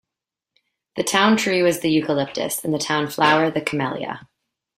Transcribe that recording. The town tree was the eucalyptus, and the town flower the camellia.